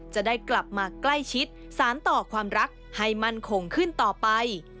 จะได้กลับมาใกล้ชิดสารต่อความรักให้มั่นคงขึ้นต่อไป